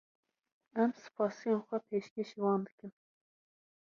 Em spasiyên xwe pêşkeşî wan dikin.